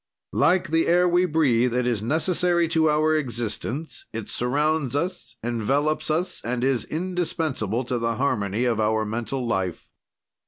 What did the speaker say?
"Like the air we breathe, it is necessary to our existence, it surrounds us, envelops us, and is indispensable to the harmony of our mental life.